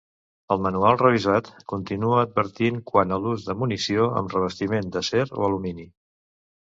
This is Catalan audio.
El manual revisat continua advertint quant a l'ús de munició amb revestiment d'acer o alumini.